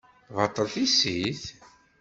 Baṭel tissit?